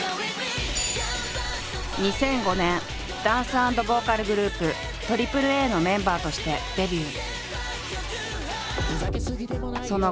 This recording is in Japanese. ２００５年ダンス＆ボーカルグループＡＡＡのメンバーとしてデビュー。